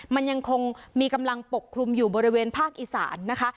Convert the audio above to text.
มันยังคงมีกำลังปกคลุมอยู่บริเวณภาคอีสานนะคะ